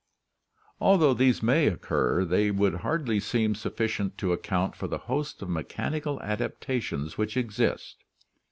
Although these may occur they would hardly seem sufficient to account for the host of mechanical adaptations which exist.